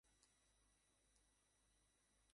তার দায়িত্ব এখানেই শেষ।